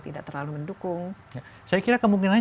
tidak terlalu mendukung saya kira kemungkinan